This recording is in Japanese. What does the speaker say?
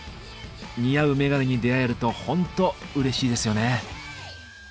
似合うメガネに出会えるとホントうれしいですよね。